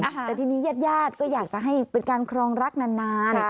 แต่ทีนี้ญาติญาติก็อยากจะให้เป็นการครองรักนาน